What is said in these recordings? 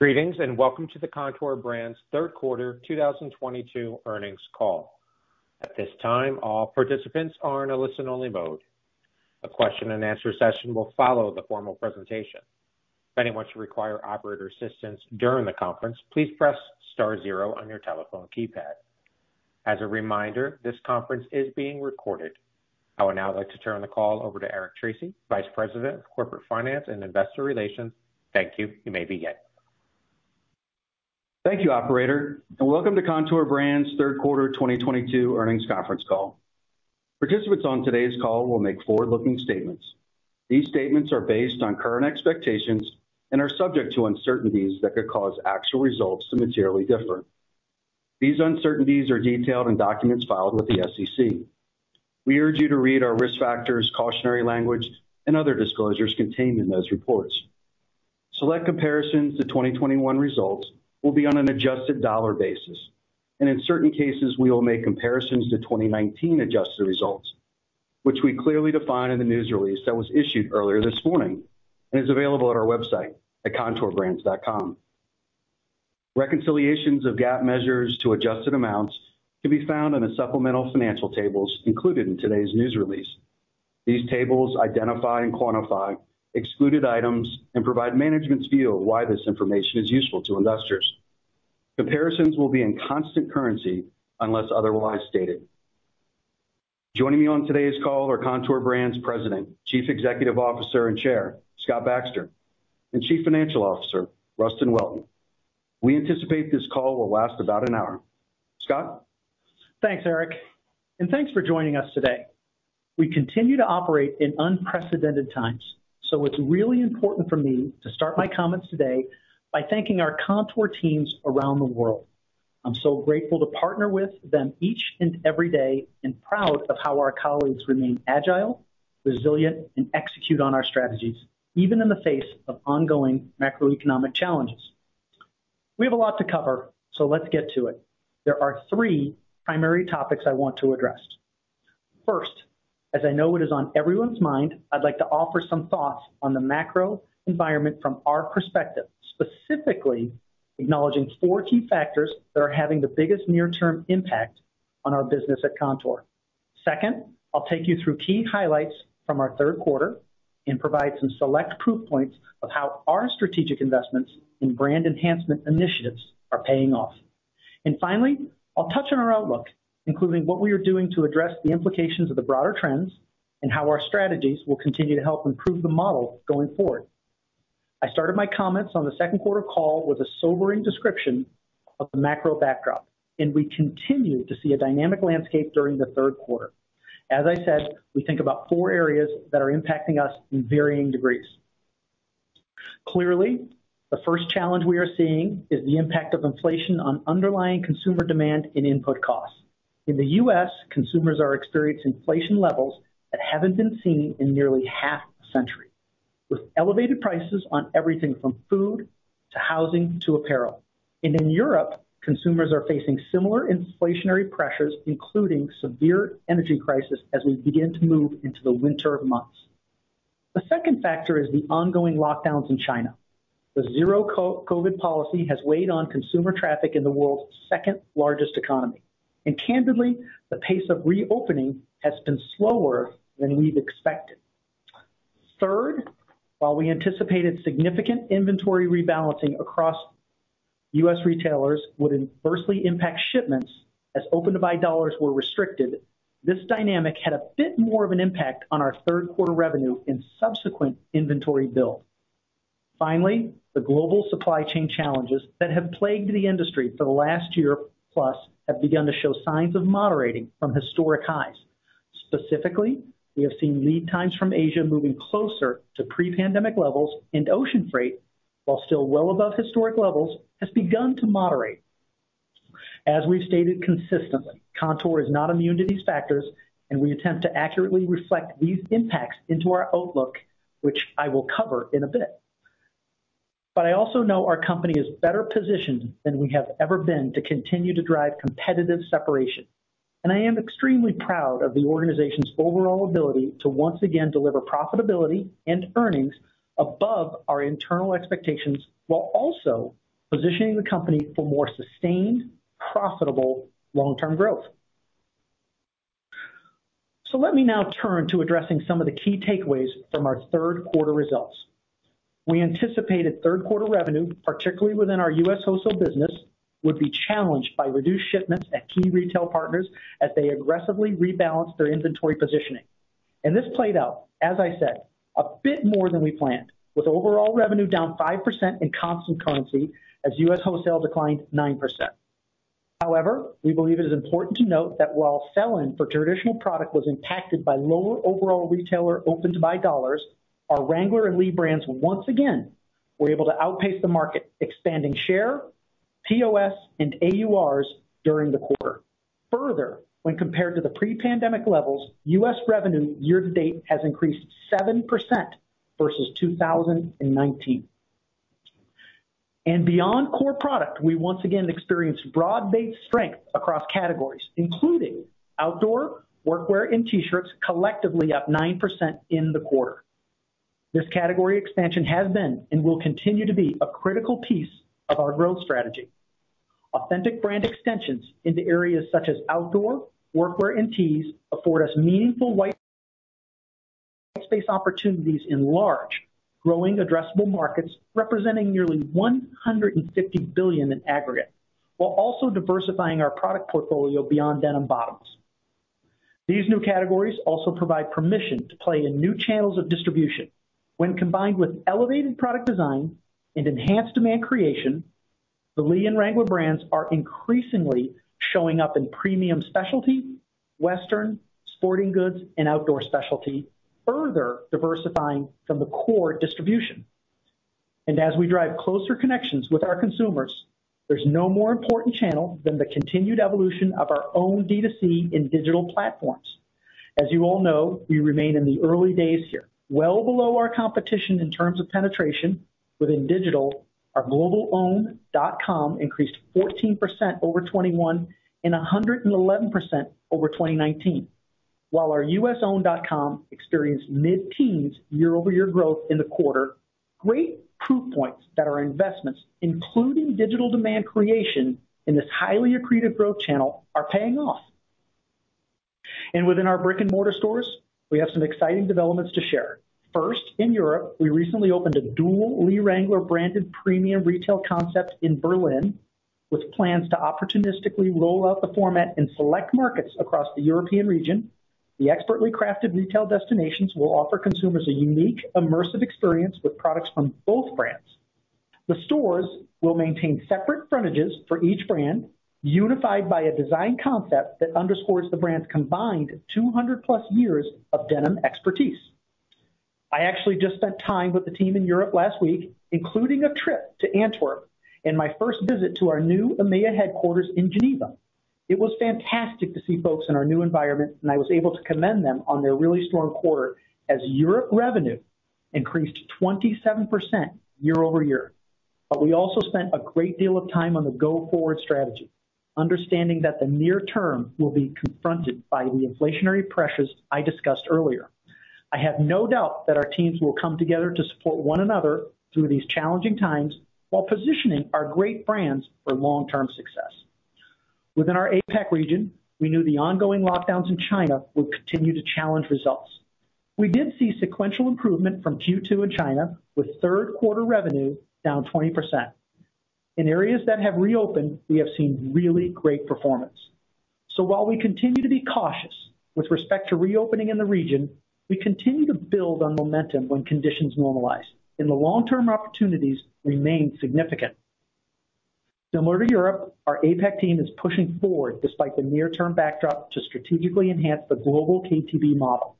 Greetings, and welcome to the Kontoor Brands' third quarter 2022 earnings call. At this time, all participants are in a listen-only mode. A question and answer session will follow the formal presentation. If anyone should require operator assistance during the conference, please press star zero on your telephone keypad. As a reminder, this conference is being recorded. I would now like to turn the call over to Eric Tracy, Vice President, Corporate Finance and Investor Relations. Thank you. You may begin. Thank you, operator, and welcome to Kontoor Brands' third quarter 2022 earnings conference call. Participants on today's call will make forward-looking statements. These statements are based on current expectations and are subject to uncertainties that could cause actual results to materially differ. These uncertainties are detailed in documents filed with the SEC. We urge you to read our risk factors, cautionary language, and other disclosures contained in those reports. Select comparisons to 2021 results will be on an adjusted dollar basis. In certain cases, we will make comparisons to 2019 adjusted results, which we clearly define in the news release that was issued earlier this morning and is available at our website at kontoorbrands.com. Reconciliations of GAAP measures to adjusted amounts can be found on the supplemental financial tables included in today's news release. These tables identify and quantify excluded items and provide management's view of why this information is useful to investors. Comparisons will be in constant currency unless otherwise stated. Joining me on today's call are Kontoor Brands' President, Chief Executive Officer, and Chair, Scott Baxter, and Chief Financial Officer, Rustin Welton. We anticipate this call will last about an hour. Scott. Thanks, Eric, and thanks for joining us today. We continue to operate in unprecedented times, so it's really important for me to start my comments today by thanking our Kontoor teams around the world. I'm so grateful to partner with them each and every day, and proud of how our colleagues remain agile, resilient, and execute on our strategies, even in the face of ongoing macroeconomic challenges. We have a lot to cover, so let's get to it. There are three primary topics I want to address. First, as I know it is on everyone's mind, I'd like to offer some thoughts on the macro environment from our perspective, specifically acknowledging four key factors that are having the biggest near-term impact on our business at Kontoor. Second, I'll take you through key highlights from our third quarter and provide some select proof points of how our strategic investments and brand enhancement initiatives are paying off. Finally, I'll touch on our outlook, including what we are doing to address the implications of the broader trends and how our strategies will continue to help improve the model going forward. I started my comments on the second quarter call with a sobering description of the macro backdrop, and we continue to see a dynamic landscape during the third quarter. As I said, we think about four areas that are impacting us in varying degrees. Clearly, the first challenge we are seeing is the impact of inflation on underlying consumer demand and input costs. In the U.S., consumers are experiencing inflation levels that haven't been seen in nearly half a century, with elevated prices on everything from food to housing to apparel. In Europe, consumers are facing similar inflationary pressures, including severe energy crisis as we begin to move into the winter months. The second factor is the ongoing lockdowns in China. The zero-COVID policy has weighed on consumer traffic in the world's second-largest economy. Candidly, the pace of reopening has been slower than we've expected. Third, while we anticipated significant inventory rebalancing across U.S. retailers would adversely impact shipments as open-to-buy dollars were restricted, this dynamic had a bit more of an impact on our third quarter revenue and subsequent inventory build. Finally, the global supply chain challenges that have plagued the industry for the last year plus have begun to show signs of moderating from historic highs. Specifically, we have seen lead times from Asia moving closer to pre-pandemic levels and ocean freight, while still well above historic levels, has begun to moderate. As we've stated consistently, Kontoor is not immune to these factors, and we attempt to accurately reflect these impacts into our outlook, which I will cover in a bit. I also know our company is better positioned than we have ever been to continue to drive competitive separation. I am extremely proud of the organization's overall ability to once again deliver profitability and earnings above our internal expectations, while also positioning the company for more sustained, profitable long-term growth. Let me now turn to addressing some of the key takeaways from our third quarter results. We anticipated third quarter revenue, particularly within our U.S. wholesale business, would be challenged by reduced shipments at key retail partners as they aggressively rebalanced their inventory positioning. This played out, as I said, a bit more than we planned, with overall revenue down 5% in constant currency as U.S. wholesale declined 9%. However, we believe it is important to note that while sell-in for traditional product was impacted by lower overall retailer open-to-buy dollars, our Wrangler and Lee brands once again were able to outpace the market, expanding share, POS, and AURs during the quarter. Further, when compared to the pre-pandemic levels, U.S. revenue year to date has increased 7% versus 2019. Beyond core product, we once again experienced broad-based strength across categories, including outdoor, workwear, and T-shirts, collectively up 9% in the quarter. This category expansion has been and will continue to be a critical piece of our growth strategy. Authentic brand extensions into areas such as outdoor, workwear, and tees afford us meaningful white space opportunities in large growing addressable markets representing nearly $150 billion in aggregate, while also diversifying our product portfolio beyond denim bottoms. These new categories also provide permission to play in new channels of distribution. When combined with elevated product design and enhanced demand creation, the Lee and Wrangler brands are increasingly showing up in premium specialty, western, sporting goods, and outdoor specialty, further diversifying from the core distribution. As we drive closer connections with our consumers, there's no more important channel than the continued evolution of our own D2C and digital platforms. As you all know, we remain in the early days here, well below our competition in terms of penetration within digital. Our global owned .com increased 14% over 2021 and 111% over 2019. While our US owned .com experienced mid-teens year-over-year growth in the quarter. Great proof points that our investments, including digital demand creation in this highly accretive growth channel, are paying off. Within our brick-and-mortar stores, we have some exciting developments to share. First, in Europe, we recently opened a dual Lee Wrangler-branded premium retail concept in Berlin, with plans to opportunistically roll out the format in select markets across the European region. The expertly crafted retail destinations will offer consumers a unique, immersive experience with products from both brands. The stores will maintain separate frontages for each brand, unified by a design concept that underscores the brand's combined 200+ years of denim expertise. I actually just spent time with the team in Europe last week, including a trip to Antwerp and my first visit to our new EMEA headquarters in Geneva. It was fantastic to see folks in our new environment, and I was able to commend them on their really strong quarter as Europe revenue increased 27% year-over-year. We also spent a great deal of time on the go forward strategy, understanding that the near term will be confronted by the inflationary pressures I discussed earlier. I have no doubt that our teams will come together to support one another through these challenging times while positioning our great brands for long-term success. Within our APAC region, we knew the ongoing lockdowns in China would continue to challenge results. We did see sequential improvement from Q2 in China, with third quarter revenue down 20%. In areas that have reopened, we have seen really great performance. While we continue to be cautious with respect to reopening in the region, we continue to build on momentum when conditions normalize and the long-term opportunities remain significant. Similar to Europe, our APAC team is pushing forward despite the near term backdrop, to strategically enhance the global KTB model.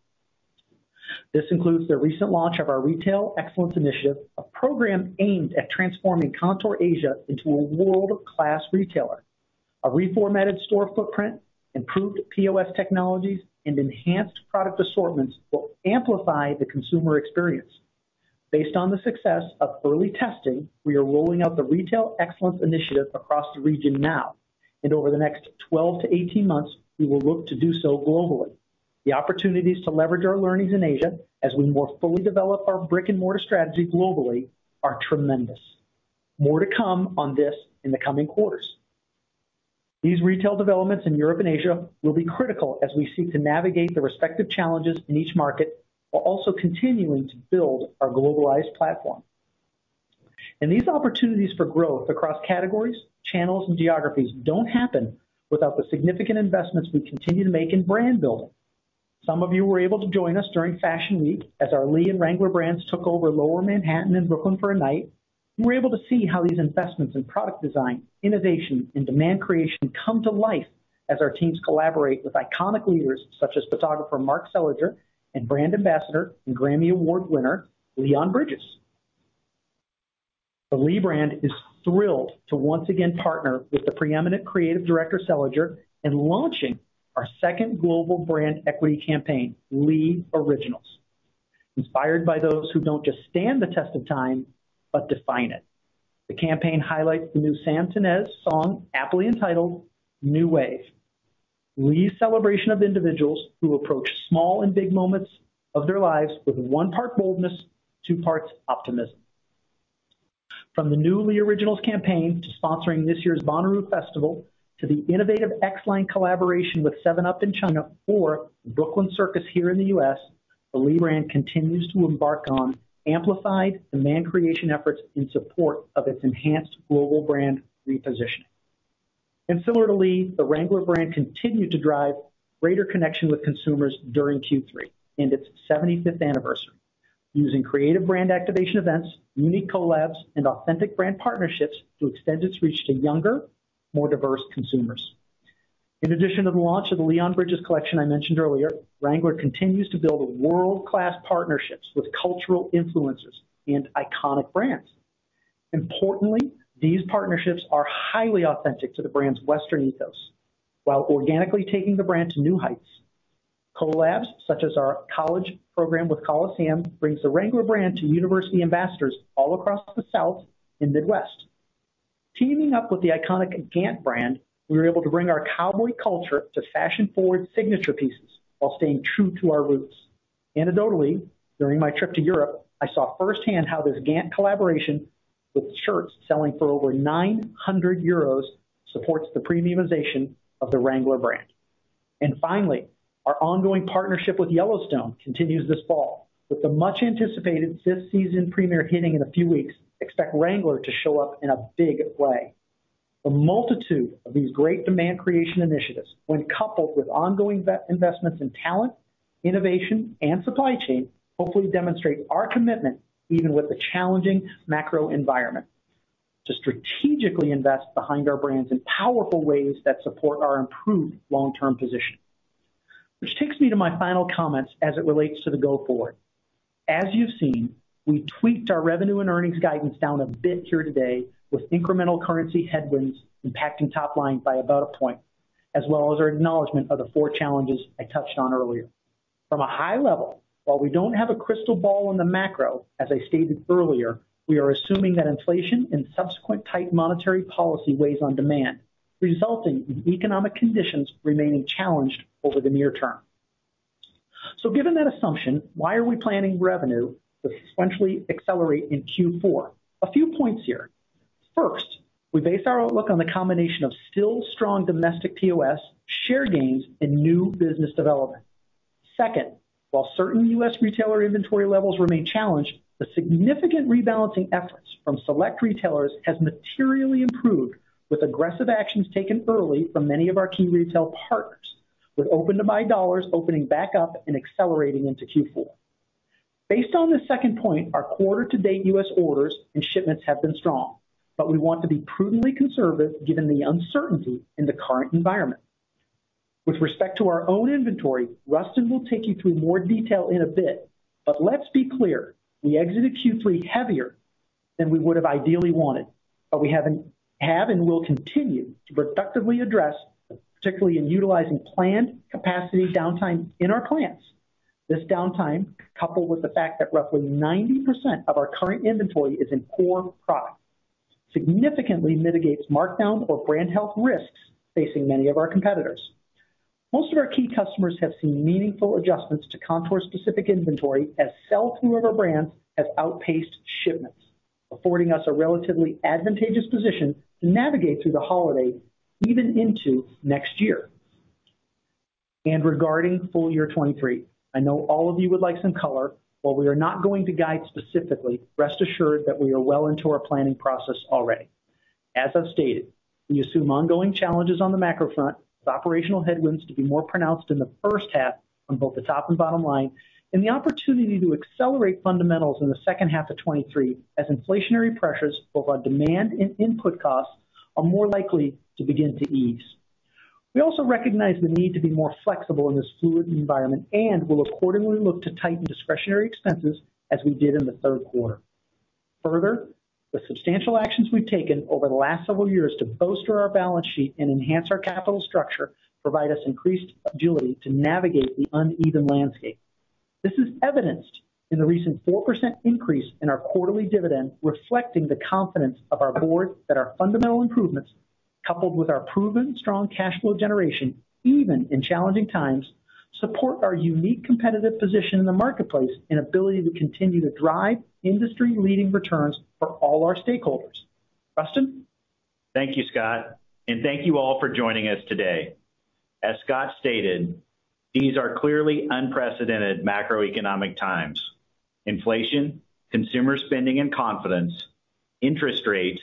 This includes the recent launch of our Retail Excellence Initiative, a program aimed at transforming Kontoor Asia into a world-class retailer. A reformatted store footprint, improved POS technologies, and enhanced product assortments will amplify the consumer experience. Based on the success of early testing, we are rolling out the Retail Excellence Initiative across the region now, and over the next 12-18 months, we will look to do so globally. The opportunities to leverage our learnings in Asia as we more fully develop our brick-and-mortar strategy globally are tremendous. More to come on this in the coming quarters. These retail developments in Europe and Asia will be critical as we seek to navigate the respective challenges in each market, while also continuing to build our globalized platform. These opportunities for growth across categories, channels, and geographies don't happen without the significant investments we continue to make in brand building. Some of you were able to join us during Fashion Week as our Lee and Wrangler brands took over Lower Manhattan and Brooklyn for a night, and were able to see how these investments in product design, innovation, and demand creation come to life as our teams collaborate with iconic leaders such as photographer Mark Seliger and brand ambassador and GRAMMY Award winner Leon Bridges. The Lee brand is thrilled to once again partner with the preeminent creative director Seliger in launching our second global brand equity campaign, LeeOriginals, inspired by those who don't just stand the test of time, but define it. The campaign highlights the new Samm Henshaw song, aptly entitled New Wave. Lee's celebration of individuals who approach small and big moments of their lives with one part boldness, two parts optimism. From the new LeeOriginals campaign to sponsoring this year's Bonnaroo festival to the innovative X-Line collaboration with 7Up in China or The Brooklyn Circus here in the US, the Lee brand continues to embark on amplified demand creation efforts in support of its enhanced global brand repositioning. Similar to Lee, the Wrangler brand continued to drive greater connection with consumers during Q3 and its 75th anniversary. Using creative brand activation events, unique collabs, and authentic brand partnerships to extend its reach to younger, more diverse consumers. In addition to the launch of the Leon Bridges collection I mentioned earlier, Wrangler continues to build world-class partnerships with cultural influencers and iconic brands. Importantly, these partnerships are highly authentic to the brand's Western ethos while organically taking the brand to new heights. Collabs such as our college program with Colosseum brings the Wrangler brand to university ambassadors all across the South and Midwest. Teaming up with the iconic GANT brand, we were able to bring our cowboy culture to fashion-forward signature pieces while staying true to our roots. Anecdotally, during my trip to Europe, I saw firsthand how this GANT collaboration with shirts selling for over 900 euros supports the premiumization of the Wrangler brand. Finally, our ongoing partnership with Yellowstone continues this fall. With the much anticipated fifth season premiere hitting in a few weeks, expect Wrangler to show up in a big way. The multitude of these great demand creation initiatives, when coupled with ongoing investments in talent, innovation, and supply chain, hopefully demonstrate our commitment, even with the challenging macro environment, to strategically invest behind our brands in powerful ways that support our improved long-term position. Which takes me to my final comments as it relates to the go forward. As you've seen, we tweaked our revenue and earnings guidance down a bit here today with incremental currency headwinds impacting top line by about 1%, as well as our acknowledgement of the four challenges I touched on earlier. From a high level, while we don't have a crystal ball in the macro, as I stated earlier, we are assuming that inflation and subsequent tight monetary policy weighs on demand, resulting in economic conditions remaining challenged over the near term. Given that assumption, why are we planning revenue to substantially accelerate in Q4? A few points here. First, we base our outlook on the combination of still strong domestic POS share gains and new business development. Second, while certain U.S. retailer inventory levels remain challenged, the significant rebalancing efforts from select retailers has materially improved with aggressive actions taken early from many of our key retail partners, with open to buy dollars opening back up and accelerating into Q4. Based on this second point, our quarter to date U.S. orders and shipments have been strong. We want to be prudently conservative given the uncertainty in the current environment. With respect to our own inventory, Rustin will take you through more detail in a bit. Let's be clear, we exited Q3 heavier than we would have ideally wanted, but we have and will continue to productively address, particularly in utilizing planned capacity downtime in our plants. This downtime, coupled with the fact that roughly 90% of our current inventory is in core product, significantly mitigates markdown or brand health risks facing many of our competitors. Most of our key customers have seen meaningful adjustments to Kontoor-specific inventory as sell-through of our brands has outpaced shipments, affording us a relatively advantageous position to navigate through the holiday, even into next year. Regarding full year 2023, I know all of you would like some color. While we are not going to guide specifically, rest assured that we are well into our planning process already. As I've stated, we assume ongoing challenges on the macro front, with operational headwinds to be more pronounced in the first half on both the top and bottom line, and the opportunity to accelerate fundamentals in the second half of 2023 as inflationary pressures, both on demand and input costs, are more likely to begin to ease. We also recognize the need to be more flexible in this fluid environment and will accordingly look to tighten discretionary expenses as we did in the third quarter. Further, the substantial actions we've taken over the last several years to bolster our balance sheet and enhance our capital structure provide us increased agility to navigate the uneven landscape. This is evidenced in the recent 4% increase in our quarterly dividend, reflecting the confidence of our board that our fundamental improvements, coupled with our proven strong cash flow generation, even in challenging times, support our unique competitive position in the marketplace and ability to continue to drive industry-leading returns for all our stakeholders. Rustin? Thank you, Scott, and thank you all for joining us today. As Scott stated, these are clearly unprecedented macroeconomic times. Inflation, consumer spending and confidence, interest rates,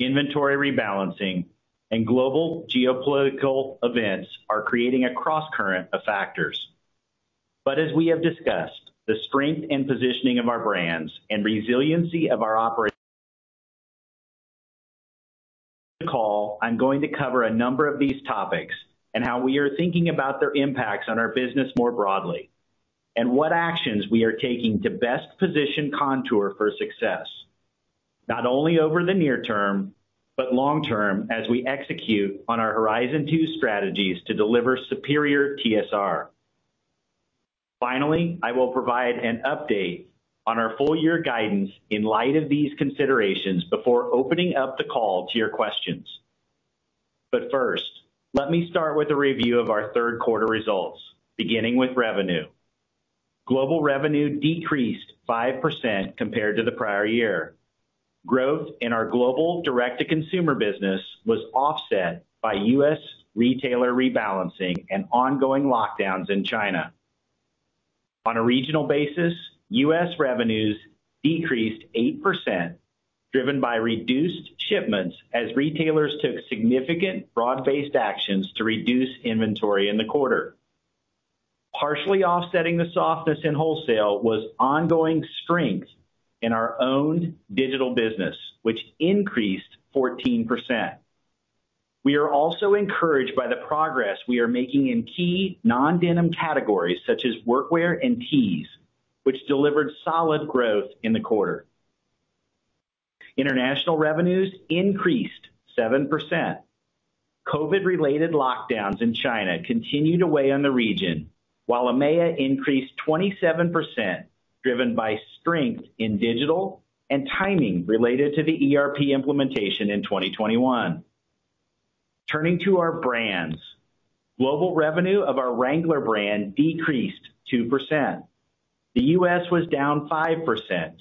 inventory rebalancing, and global geopolitical events are creating a cross-current of factors. As we have discussed, the strength and positioning of our brands and resiliency of our call, I'm going to cover a number of these topics and how we are thinking about their impacts on our business more broadly, and what actions we are taking to best position Kontoor for success. Not only over the near term, but long term as we execute on our Horizon Two strategies to deliver superior TSR. Finally, I will provide an update on our full year guidance in light of these considerations before opening up the call to your questions. First, let me start with a review of our third quarter results, beginning with revenue. Global revenue decreased 5% compared to the prior year. Growth in our global direct-to-consumer business was offset by U.S. retailer rebalancing and ongoing lockdowns in China. On a regional basis, U.S. revenues decreased 8%, driven by reduced shipments as retailers took significant broad-based actions to reduce inventory in the quarter. Partially offsetting the softness in wholesale was ongoing strength in our own digital business, which increased 14%. We are also encouraged by the progress we are making in key non-denim categories such as workwear and tees, which delivered solid growth in the quarter. International revenues increased 7%. COVID-related lockdowns in China continued to weigh on the region, while EMEA increased 27%, driven by strength in digital and timing related to the ERP implementation in 2021. Turning to our brands. Global revenue of our Wrangler brand decreased 2%. The U.S. was down 5%,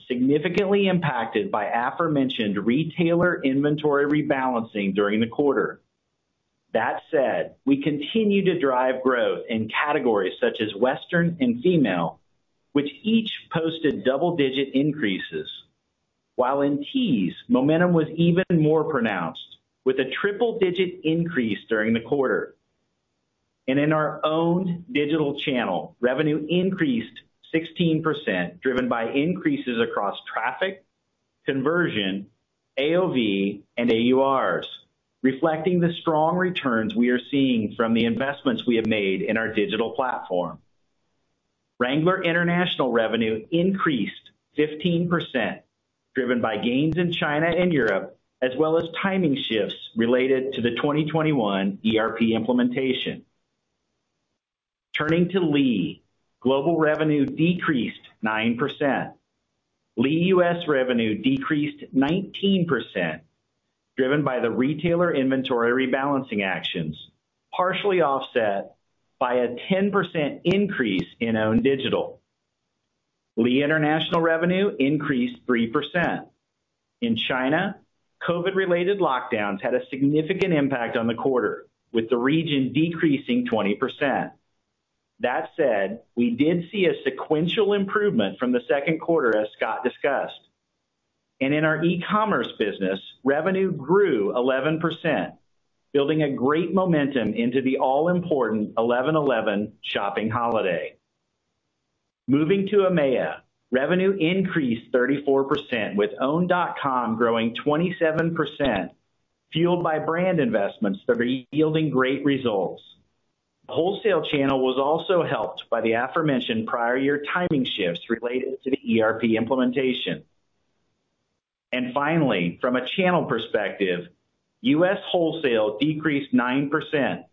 significantly impacted by aforementioned retailer inventory rebalancing during the quarter. That said, we continue to drive growth in categories such as Western and female, which each posted double-digit increases. While in tees, momentum was even more pronounced, with a triple-digit increase during the quarter. In our own digital channel, revenue increased 16%, driven by increases across traffic, conversion, AOV, and AURs, reflecting the strong returns we are seeing from the investments we have made in our digital platform. Wrangler international revenue increased 15%, driven by gains in China and Europe, as well as timing shifts related to the 2021 ERP implementation. Turning to Lee. Global revenue decreased 9%. Lee US revenue decreased 19%, driven by the retailer inventory rebalancing actions, partially offset by a 10% increase in owned digital. Lee international revenue increased 3%. In China, COVID-related lockdowns had a significant impact on the quarter, with the region decreasing 20%. That said, we did see a sequential improvement from the second quarter, as Scott discussed. In our e-commerce business, revenue grew 11%, building a great momentum into the all-important 11.11 shopping holiday. Moving to EMEA, revenue increased 34%, with owned dot com growing 27%, fueled by brand investments that are yielding great results. Wholesale channel was also helped by the aforementioned prior year timing shifts related to the ERP implementation. Finally, from a channel perspective, US wholesale decreased 9%,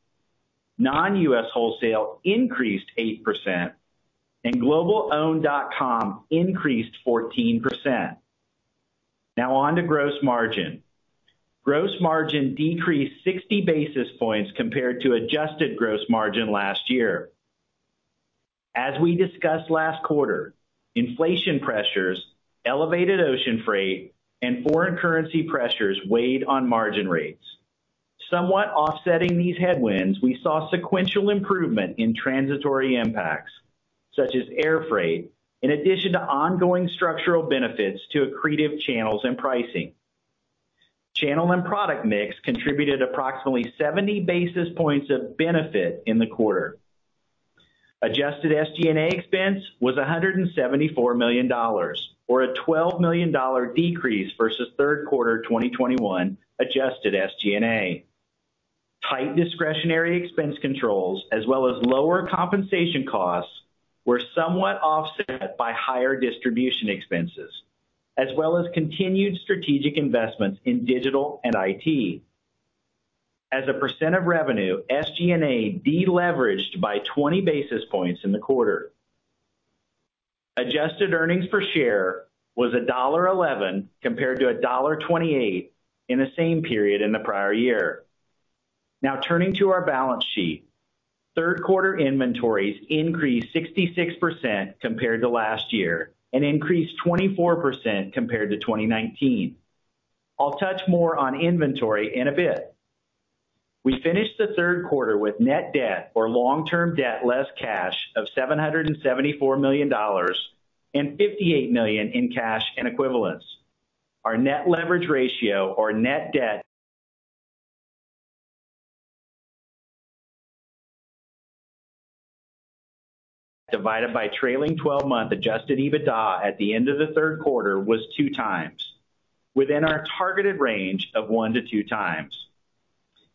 non-US wholesale increased 8%, and global owned dot com increased 14%. Now on to gross margin. Gross margin decreased 60 basis points compared to adjusted gross margin last year. As we discussed last quarter, inflation pressures, elevated ocean freight, and foreign currency pressures weighed on margin rates. Somewhat offsetting these headwinds, we saw sequential improvement in transitory impacts, such as air freight, in addition to ongoing structural benefits to accretive channels and pricing. Channel and product mix contributed approximately 70 basis points of benefit in the quarter. Adjusted SG&A expense was $174 million, or a $12 million decrease versus third quarter 2021 adjusted SG&A. Tight discretionary expense controls, as well as lower compensation costs, were somewhat offset by higher distribution expenses, as well as continued strategic investments in digital and IT. As a percent of revenue, SG&A deleveraged by 20 basis points in the quarter. Adjusted earnings per share was $1.11 compared to $1.28 in the same period in the prior year. Now turning to our balance sheet. Third quarter inventories increased 66% compared to last year and increased 24% compared to 2019. I'll touch more on inventory in a bit. We finished the third quarter with net debt or long-term debt less cash of $774 million and $58 million in cash and equivalents. Our net leverage ratio or net debt divided by trailing twelve-month adjusted EBITDA at the end of the third quarter was 2x, within our targeted range of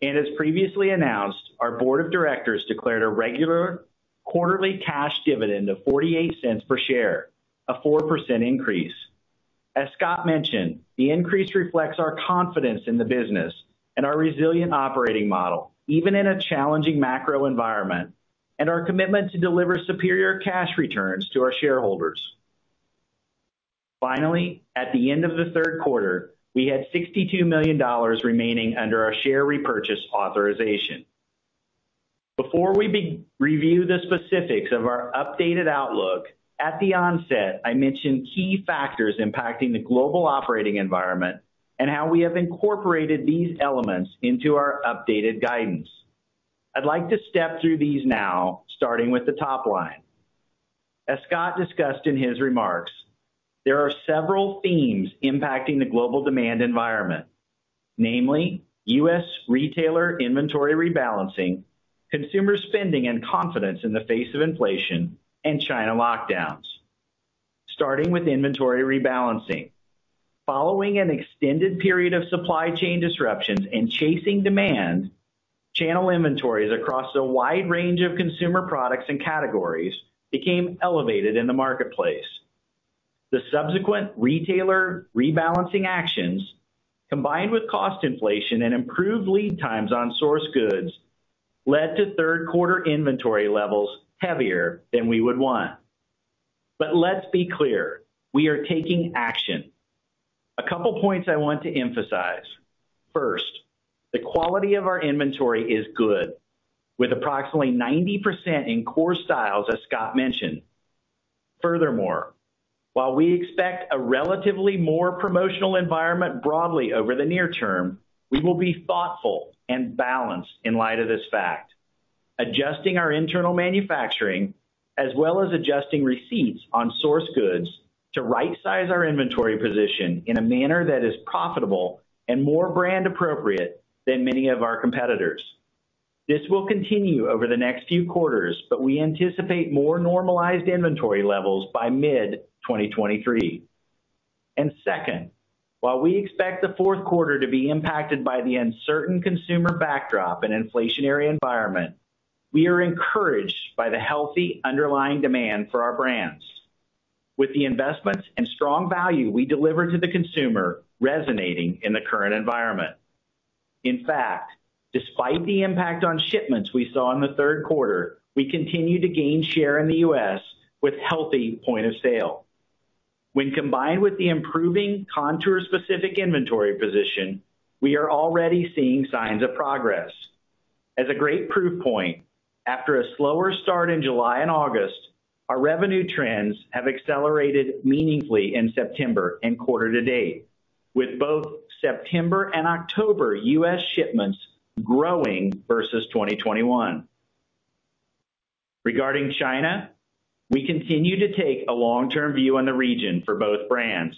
1x-2x. As previously announced, our board of directors declared a regular quarterly cash dividend of $0.48 per share, a 4% increase. As Scott mentioned, the increase reflects our confidence in the business and our resilient operating model, even in a challenging macro environment, and our commitment to deliver superior cash returns to our shareholders. Finally, at the end of the third quarter, we had $62 million remaining under our share repurchase authorization. Before we review the specifics of our updated outlook, at the onset, I mentioned key factors impacting the global operating environment and how we have incorporated these elements into our updated guidance. I'd like to step through these now, starting with the top line. As Scott discussed in his remarks, there are several themes impacting the global demand environment, namely U.S. retailer inventory rebalancing, consumer spending and confidence in the face of inflation, and China lockdowns. Starting with inventory rebalancing. Following an extended period of supply chain disruptions and chasing demand, channel inventories across a wide range of consumer products and categories became elevated in the marketplace. The subsequent retailer rebalancing actions, combined with cost inflation and improved lead times on sourced goods, led to third quarter inventory levels heavier than we would want. Let's be clear, we are taking action. A couple points I want to emphasize. First, the quality of our inventory is good, with approximately 90% in core styles, as Scott mentioned. Furthermore, while we expect a relatively more promotional environment broadly over the near term, we will be thoughtful and balanced in light of this fact. Adjusting our internal manufacturing, as well as adjusting receipts on source goods to rightsize our inventory position in a manner that is profitable and more brand appropriate than many of our competitors. This will continue over the next few quarters, but we anticipate more normalized inventory levels by mid-2023. Second, while we expect the fourth quarter to be impacted by the uncertain consumer backdrop and inflationary environment, we are encouraged by the healthy underlying demand for our brands. With the investments and strong value we deliver to the consumer resonating in the current environment. In fact, despite the impact on shipments we saw in the third quarter, we continue to gain share in the U.S. with healthy point of sale. When combined with the improving Kontoor-specific inventory position, we are already seeing signs of progress. As a great proof point, after a slower start in July and August, our revenue trends have accelerated meaningfully in September and quarter to date, with both September and October U.S. shipments growing versus 2021. Regarding China, we continue to take a long-term view on the region for both brands.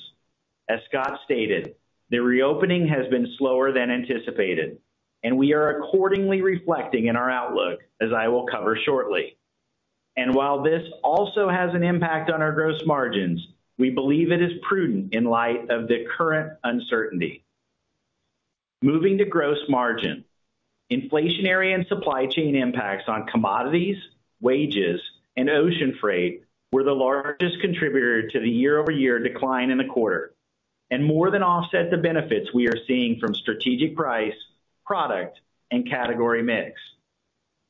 As Scott stated, the reopening has been slower than anticipated, and we are accordingly reflecting in our outlook, as I will cover shortly. While this also has an impact on our gross margins, we believe it is prudent in light of the current uncertainty. Moving to gross margin. Inflationary and supply chain impacts on commodities, wages, and ocean freight were the largest contributor to the year-over-year decline in the quarter, and more than offset the benefits we are seeing from strategic price, product, and category mix.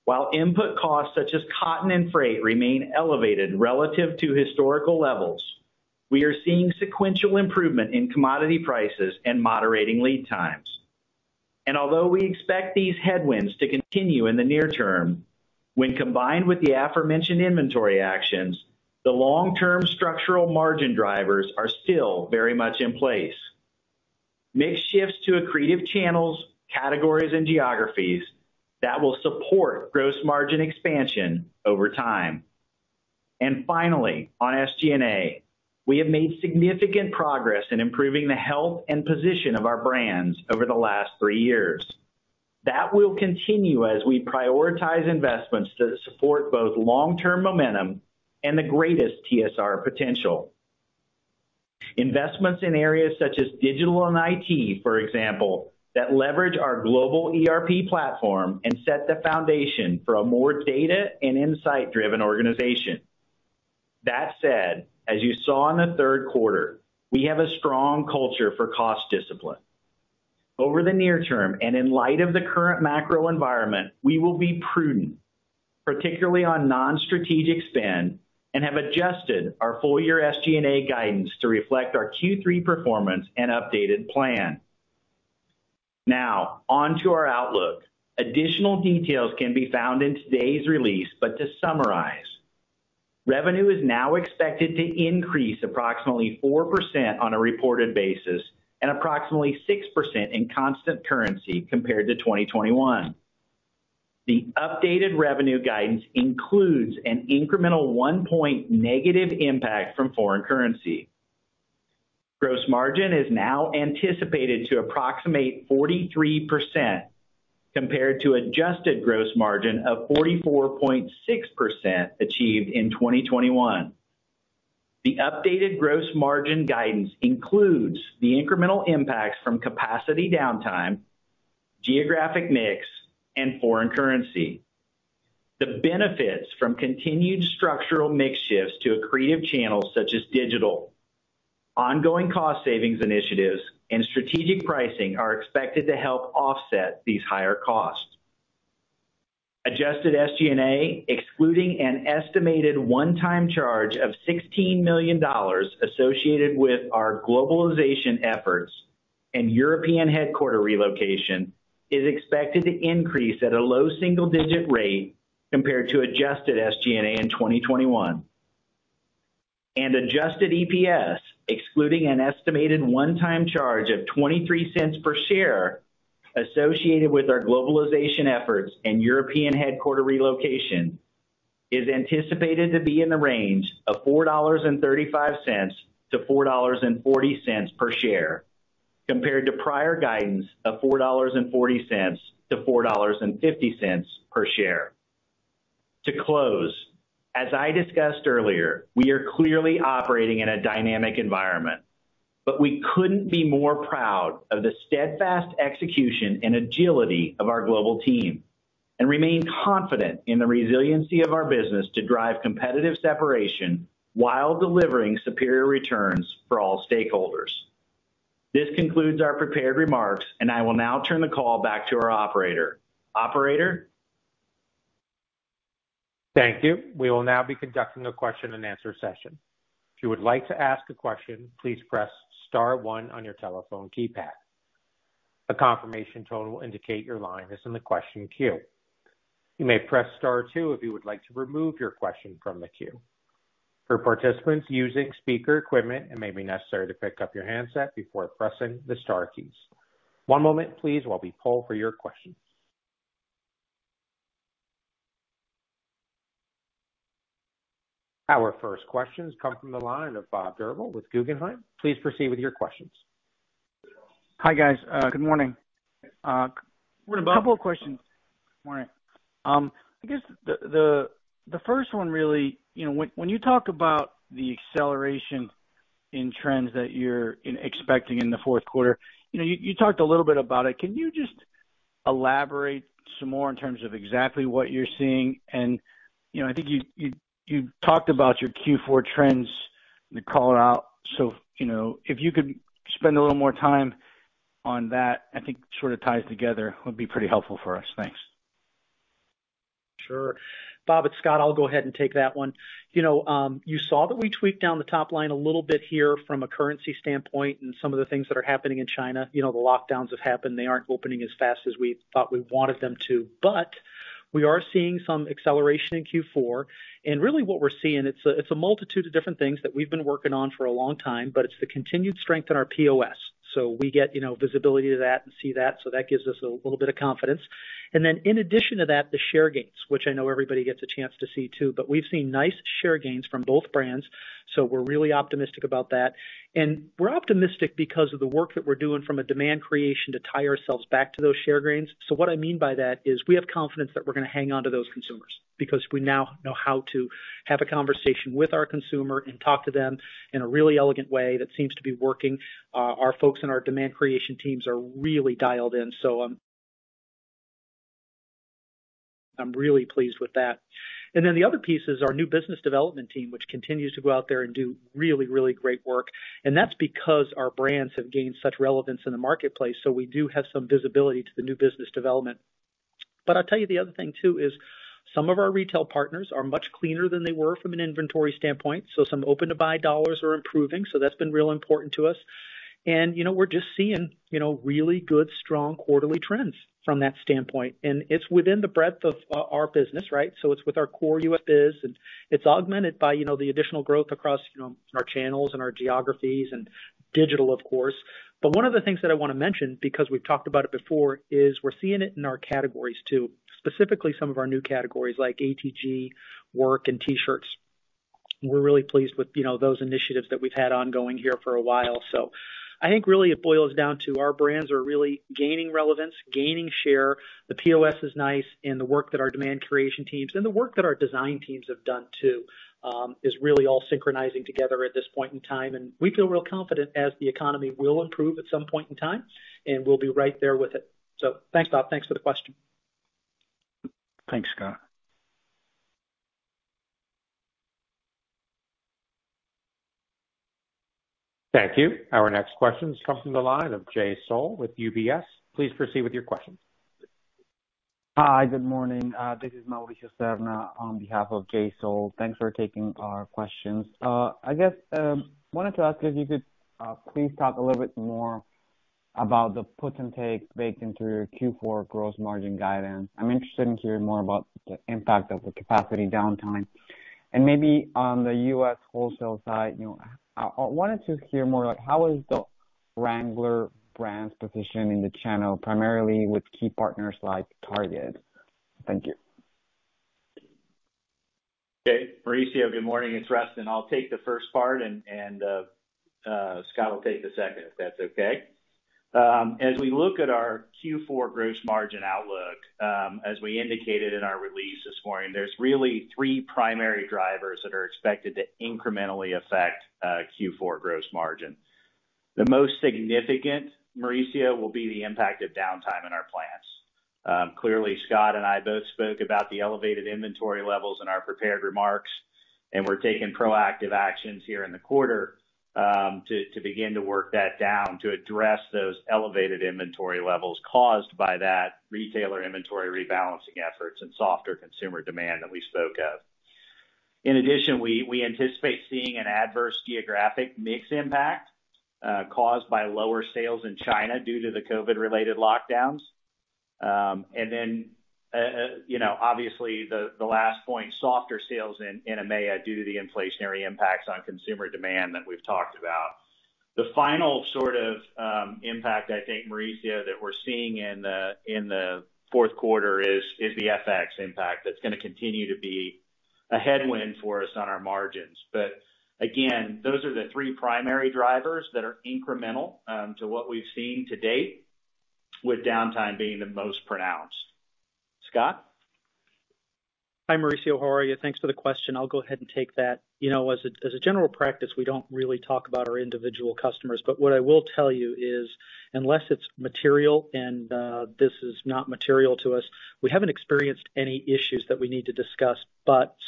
While input costs such as cotton and freight remain elevated relative to historical levels, we are seeing sequential improvement in commodity prices and moderating lead times. Although we expect these headwinds to continue in the near term, when combined with the aforementioned inventory actions, the long-term structural margin drivers are still very much in place. Mix shifts to accretive channels, categories, and geographies that will support gross margin expansion over time. Finally, on SG&A, we have made significant progress in improving the health and position of our brands over the last three years. That will continue as we prioritize investments to support both long-term momentum and the greatest TSR potential. Investments in areas such as digital and IT, for example, that leverage our global ERP platform and set the foundation for a more data and insight-driven organization. That said, as you saw in the third quarter, we have a strong culture for cost discipline. Over the near term, and in light of the current macro environment, we will be prudent, particularly on non-strategic spend, and have adjusted our full year SG&A guidance to reflect our Q3 performance and updated plan. Now on to our outlook. Additional details can be found in today's release, but to summarize, revenue is now expected to increase approximately 4% on a reported basis and approximately 6% in constant currency compared to 2021. The updated revenue guidance includes an incremental 1 point negative impact from foreign currency. Gross margin is now anticipated to approximate 43% compared to adjusted gross margin of 44.6% achieved in 2021. The updated gross margin guidance includes the incremental impacts from capacity downtime, geographic mix, and foreign currency. The benefits from continued structural mix shifts to accretive channels such as digital. Ongoing cost savings initiatives and strategic pricing are expected to help offset these higher costs. Adjusted SG&A, excluding an estimated one-time charge of $16 million associated with our globalization efforts and European headquarters relocation, is expected to increase at a low single digit rate compared to adjusted SG&A in 2021. Adjusted EPS, excluding an estimated one-time charge of $0.23 per share associated with our globalization efforts and European headquarters relocation, is anticipated to be in the range of $4.35-$4.40 per share, compared to prior guidance of $4.40-$4.50 per share. To close, as I discussed earlier, we are clearly operating in a dynamic environment, but we couldn't be more proud of the steadfast execution and agility of our global team, and remain confident in the resiliency of our business to drive competitive separation while delivering superior returns for all stakeholders. This concludes our prepared remarks, and I will now turn the call back to our operator. Operator? Thank you. We will now be conducting a question and answer session. If you would like to ask a question, please press star one on your telephone keypad. A confirmation tone will indicate your line is in the question queue. You may press star two if you would like to remove your question from the queue. For participants using speaker equipment, it may be necessary to pick up your handset before pressing the star keys. One moment please while we poll for your questions. Our first questions come from the line of Bob Drbul with Guggenheim. Please proceed with your questions. Hi, guys. Good morning. Good morning, Bob. A couple of questions. Morning. I guess the first one really, you know, when you talk about the acceleration in trends that you're expecting in the fourth quarter, you know, you talked a little bit about it. Can you just elaborate some more in terms of exactly what you're seeing? You know, I think you talked about your Q4 trends in the call out. You know, if you could spend a little more time on that, I think sort of ties together, would be pretty helpful for us. Thanks. Sure. Bob, it's Scott. I'll go ahead and take that one. You know, you saw that we tweaked down the top line a little bit here from a currency standpoint and some of the things that are happening in China. You know, the lockdowns have happened. They aren't opening as fast as we thought we wanted them to. We are seeing some acceleration in Q4. Really what we're seeing, it's a multitude of different things that we've been working on for a long time, but it's the continued strength in our POS. We get, you know, visibility to that and see that, so that gives us a little bit of confidence. In addition to that, the share gains, which I know everybody gets a chance to see too, but we've seen nice share gains from both brands, so we're really optimistic about that. We're optimistic because of the work that we're doing from a demand creation to tie ourselves back to those share gains. What I mean by that is we have confidence that we're gonna hang on to those consumers because we now know how to have a conversation with our consumer and talk to them in a really elegant way that seems to be working. Our folks in our demand creation teams are really dialed in. I'm really pleased with that. The other piece is our new business development team, which continues to go out there and do really, really great work. That's because our brands have gained such relevance in the marketplace, so we do have some visibility to the new business development. I'll tell you the other thing too is some of our retail partners are much cleaner than they were from an inventory standpoint, so some open-to-buy dollars are improving, so that's been real important to us. You know, we're just seeing, you know, really good, strong quarterly trends from that standpoint. It's within the breadth of our business, right? It's with our core US biz, and it's augmented by, you know, the additional growth across, you know, our channels and our geographies and digital, of course. One of the things that I wanna mention, because we've talked about it before, is we're seeing it in our categories too, specifically some of our new categories like ATG, work, and T-shirts. We're really pleased with, you know, those initiatives that we've had ongoing here for a while. I think really it boils down to our brands are really gaining relevance, gaining share. The POS is nice, and the work that our demand creation teams and the work that our design teams have done too, is really all synchronizing together at this point in time. We feel real confident as the economy will improve at some point in time, and we'll be right there with it. Thanks, Bob. Thanks for the question. Thanks, Scott. Thank you. Our next question comes from the line of Jay Sole with UBS. Please proceed with your questions. Hi. Good morning. This is Mauricio Serna on behalf of Jay Sole. Thanks for taking our questions. I guess wanted to ask if you could please talk a little bit more about the puts and takes baked into your Q4 gross margin guidance. I'm interested in hearing more about the impact of the capacity downtime. Maybe on the U.S. wholesale side, you know, I wanted to hear more, like how is the Wrangler brand's position in the channel, primarily with key partners like Target? Thank you. Jay, Mauricio, good morning. It's Rustin. I'll take the first part and Scott will take the second, if that's okay. As we look at our Q4 gross margin outlook, as we indicated in our release this morning, there's really three primary drivers that are expected to incrementally affect Q4 gross margin. The most significant, Mauricio, will be the impact of downtime in our plants. Clearly, Scott and I both spoke about the elevated inventory levels in our prepared remarks, and we're taking proactive actions here in the quarter to begin to work that down to address those elevated inventory levels caused by that retailer inventory rebalancing efforts and softer consumer demand that we spoke of. In addition, we anticipate seeing an adverse geographic mix impact caused by lower sales in China due to the COVID-related lockdowns. You know, obviously the last point, softer sales in EMEA due to the inflationary impacts on consumer demand that we've talked about. The final sort of impact, I think, Mauricio, that we're seeing in the fourth quarter is the FX impact. That's gonna continue to be a headwind for us on our margins. Again, those are the three primary drivers that are incremental to what we've seen to date, with downtime being the most pronounced. Scott? Hi, Mauricio. How are you? Thanks for the question. I'll go ahead and take that. You know, as a general practice, we don't really talk about our individual customers, but what I will tell you is, unless it's material, and this is not material to us, we haven't experienced any issues that we need to discuss.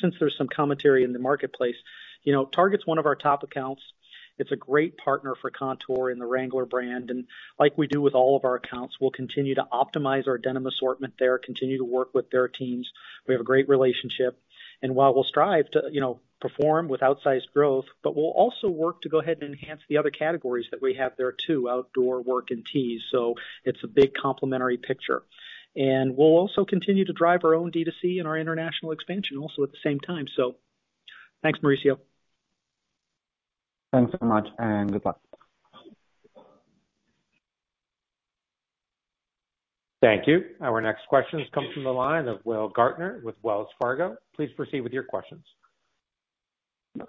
Since there's some commentary in the marketplace, you know, Target's one of our top accounts. It's a great partner for Kontoor and the Wrangler brand. Like we do with all of our accounts, we'll continue to optimize our denim assortment there, continue to work with their teams. We have a great relationship. While we'll strive to, you know, perform with outsized growth, we'll also work to go ahead and enhance the other categories that we have there too, outdoor work and tees. It's a big complementary picture. We'll also continue to drive our own D2C and our international expansion also at the same time. Thanks, Mauricio. Thanks so much, and good luck. Thank you. Our next question comes from the line of Will Gardner with Wells Fargo. Please proceed with your questions.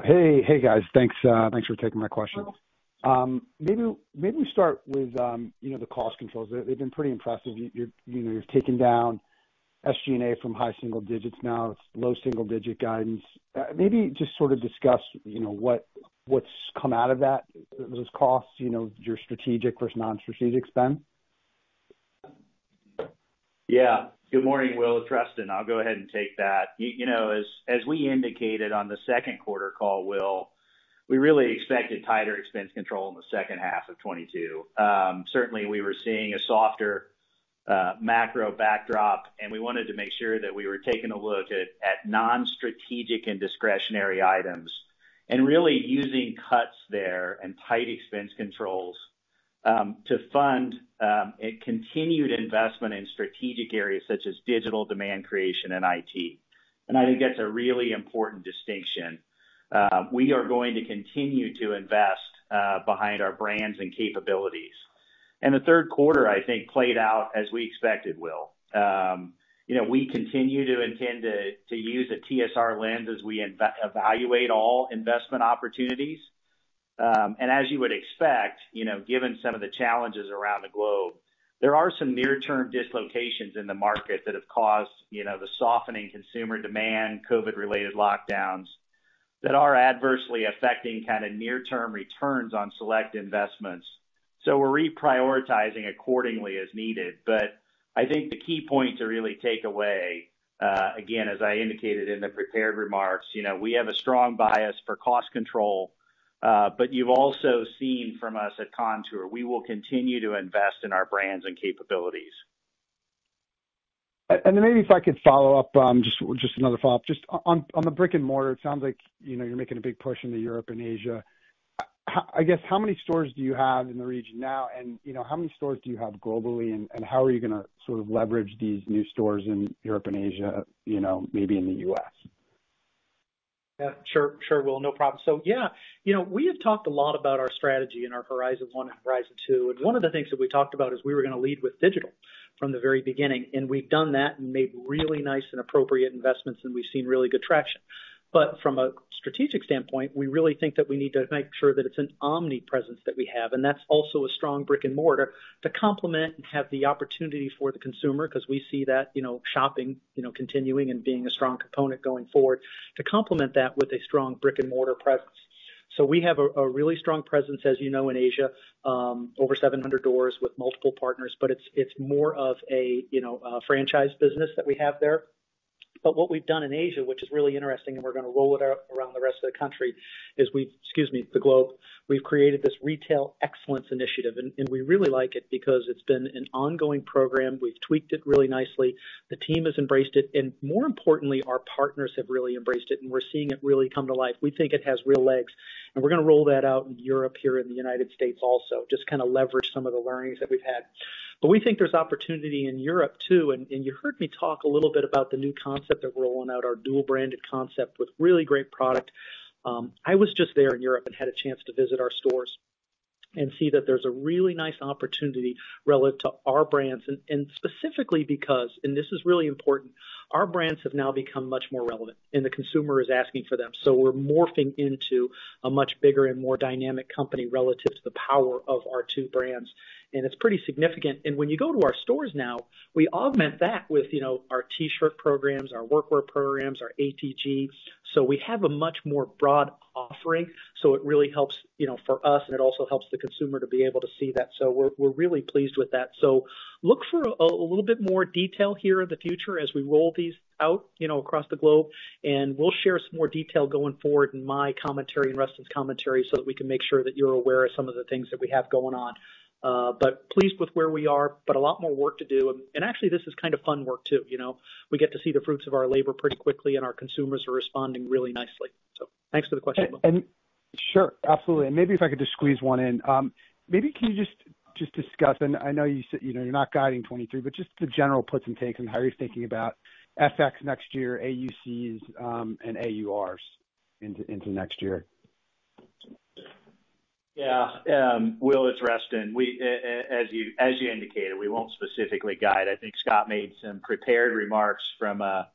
Hey. Hey, guys. Thanks for taking my question. Maybe we start with, you know, the cost controls. They've been pretty impressive. You're, you know, taking down SG&A from high single digits now to low single digit guidance. Maybe just sort of discuss, you know, what's come out of that, those costs, you know, your strategic versus non-strategic spend. Yeah. Good morning, Will. It's Rustin. I'll go ahead and take that. You know, as we indicated on the second quarter call, Will, we really expected tighter expense control in the second half of 2022. Certainly, we were seeing a softer macro backdrop, and we wanted to make sure that we were taking a look at non-strategic and discretionary items, and really using cuts there and tight expense controls to fund a continued investment in strategic areas such as digital demand creation and IT. I think that's a really important distinction. We are going to continue to invest behind our brands and capabilities. The third quarter, I think, played out as we expected, Will. You know, we continue to intend to use a TSR lens as we evaluate all investment opportunities. As you would expect, you know, given some of the challenges around the globe, there are some near-term dislocations in the market that have caused, you know, the softening consumer demand, COVID-related lockdowns that are adversely affecting kinda near-term returns on select investments. We're reprioritizing accordingly as needed. I think the key point to really take away, again, as I indicated in the prepared remarks, you know, we have a strong bias for cost control, but you've also seen from us at Kontoor, we will continue to invest in our brands and capabilities. Maybe if I could follow up, just another follow-up. Just on the brick and mortar, it sounds like, you know, you're making a big push into Europe and Asia. I guess how many stores do you have in the region now? You know, how many stores do you have globally, and how are you gonna sort of leverage these new stores in Europe and Asia, you know, maybe in the US? Yeah. Sure. Sure, Will. No problem. Yeah, you know, we have talked a lot about our strategy in our Horizons One and Horizon Two. One of the things that we talked about is we were gonna lead with digital from the very beginning. We've done that and made really nice and appropriate investments, and we've seen really good traction. From a strategic standpoint, we really think that we need to make sure that it's an omni presence that we have, and that's also a strong brick and mortar to complement and have the opportunity for the consumer 'cause we see that, you know, shopping, you know, continuing and being a strong component going forward to complement that with a strong brick and mortar presence. We have a really strong presence, as you know, in Asia, over 700 doors with multiple partners, but it's more of a, you know, a franchise business that we have there. What we've done in Asia, which is really interesting, and we're gonna roll it out around the rest of the globe, is we've created this Retail Excellence Initiative, and we really like it because it's been an ongoing program. We've tweaked it really nicely. The team has embraced it, and more importantly, our partners have really embraced it, and we're seeing it really come to life. We think it has real legs, and we're gonna roll that out in Europe, here in the United States also, just kinda leverage some of the learnings that we've had. We think there's opportunity in Europe too. You heard me talk a little bit about the new concept of rolling out our dual branded concept with really great product. I was just there in Europe and had a chance to visit our stores and see that there's a really nice opportunity relative to our brands and specifically because, and this is really important, our brands have now become much more relevant and the consumer is asking for them. We're morphing into a much bigger and more dynamic company relative to the power of our two brands. It's pretty significant. When you go to our stores now, we augment that with, you know, our T-shirt programs, our work wear programs, our ATG. We have a much more broad offering. It really helps, you know, for us, and it also helps the consumer to be able to see that. We're really pleased with that. Look for a little bit more detail here in the future as we roll these out, you know, across the globe, and we'll share some more detail going forward in my commentary and Rustin's commentary so that we can make sure that you're aware of some of the things that we have going on. Pleased with where we are, but a lot more work to do. Actually, this is kind of fun work too, you know. We get to see the fruits of our labor pretty quickly, and our consumers are responding really nicely. Thanks for the question, Will. Sure. Absolutely. Maybe if I could just squeeze one in. Maybe can you just discuss, and I know you know, you're not guiding 2023, but just the general puts and takes and how you're thinking about FX next year, AUCs, and AURs into next year? Yeah. Will, it's Rustin. As you indicated, we won't specifically guide. I think Scott made some prepared remarks from a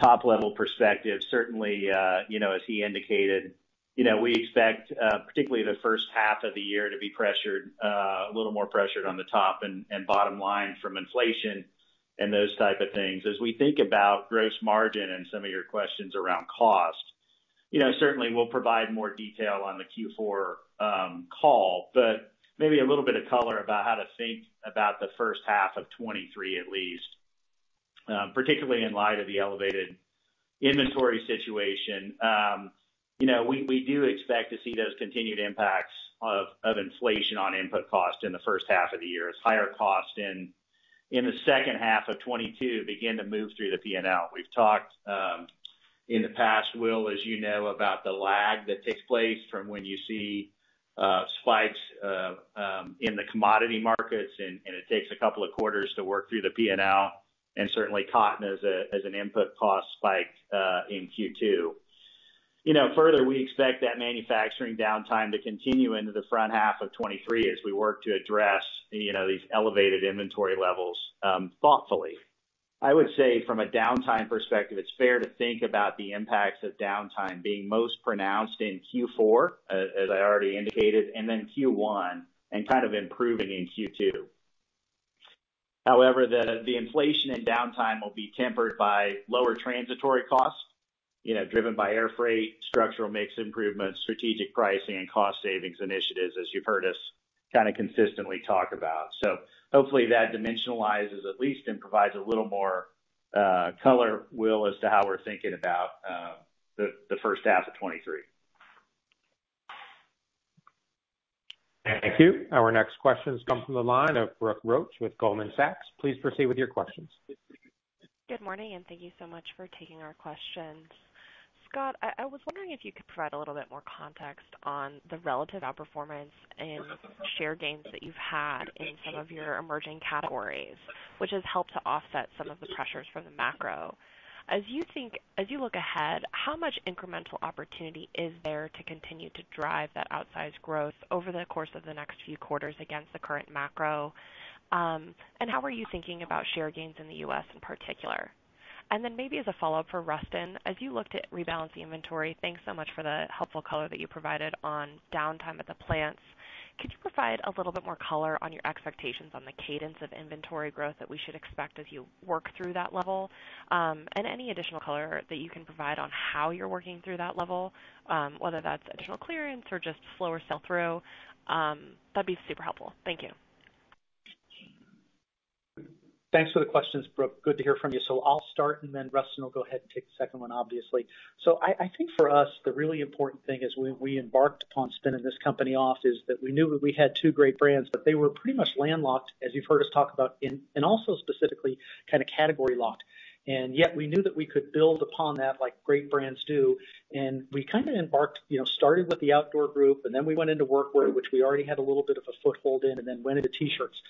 top level perspective. Certainly, you know, as he indicated, you know, we expect, particularly the first half of the year to be pressured, a little more pressured on the top and bottom line from inflation and those type of things. As we think about gross margin and some of your questions around cost You know, certainly we'll provide more detail on the Q4 call, but maybe a little bit of color about how to think about the first half of 2023, at least, particularly in light of the elevated inventory situation. You know, we do expect to see those continued impacts of inflation on input costs in the first half of the year. As higher costs in the second half of 2022 begin to move through the P&L. We've talked in the past, Will, as you know, about the lag that takes place from when you see spikes in the commodity markets and it takes a couple of quarters to work through the P&L and certainly cotton as an input cost spike in Q2. You know, further, we expect that manufacturing downtime to continue into the front half of 2023 as we work to address, you know, these elevated inventory levels, thoughtfully. I would say from a downtime perspective, it's fair to think about the impacts of downtime being most pronounced in Q4, as I already indicated, and then Q1 and kind of improving in Q2. However, the inflation and downtime will be tempered by lower transitory costs, you know, driven by air freight, structural mix improvements, strategic pricing and cost savings initiatives as you've heard us kinda consistently talk about. Hopefully that dimensionalizes at least and provides a little more color, Will, as to how we're thinking about the first half of 2023. Thank you. Our next question comes from the line of Brooke Roach with Goldman Sachs. Please proceed with your questions. Good morning, and thank you so much for taking our questions. Scott, I was wondering if you could provide a little bit more context on the relative outperformance and share gains that you've had in some of your emerging categories, which has helped to offset some of the pressures from the macro. As you look ahead, how much incremental opportunity is there to continue to drive that outsized growth over the course of the next few quarters against the current macro? How are you thinking about share gains in the U.S. in particular? Maybe as a follow-up for Rustin, as you looked at rebalancing inventory, thanks so much for the helpful color that you provided on downtime at the plants. Could you provide a little bit more color on your expectations on the cadence of inventory growth that we should expect as you work through that level? Any additional color that you can provide on how you're working through that level, whether that's additional clearance or just slower sell-through, that'd be super helpful. Thank you. Thanks for the questions, Brooke. Good to hear from you. I'll start and then Rustin will go ahead and take the second one, obviously. I think for us, the really important thing is when we embarked upon spinning this company off is that we knew that we had two great brands, but they were pretty much landlocked, as you've heard us talk about in, and also specifically kinda category locked. Yet we knew that we could build upon that like great brands do. We kinda embarked, you know, started with the outdoor group, and then we went into workwear, which we already had a little bit of a foothold in, and then went into T-shirts.